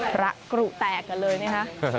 พระกรุแตกกันเลยนะคะ